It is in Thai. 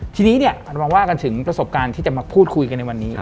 ทีนี้เนี่ยเราว่ากันถึงประสบการณ์ที่จะมาพูดคุยกันในวันนี้